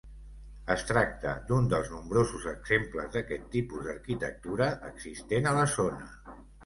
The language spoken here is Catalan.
Es tracta d'un dels nombrosos exemples d'aquest tipus d'arquitectura existent a la zona.